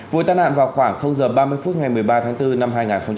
vụ tai nạn vào khoảng h ba mươi phút ngày một mươi ba tháng bốn năm hai nghìn hai mươi